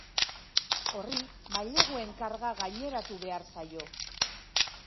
Horri maileguen karga gaineratu behar zaio.